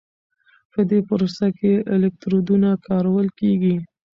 په دې پروسه کې الکترودونه کارول کېږي.